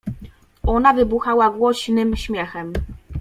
Ona wybuchała głoś nym śmiechem.